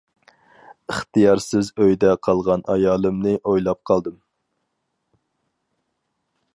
ئىختىيارسىز ئۆيدە قالغان ئايالىمنى ئويلاپ قالدىم.